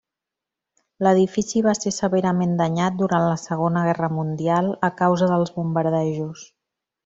L'edifici va ser severament danyat durant la Segona Guerra mundial a causa dels bombardejos.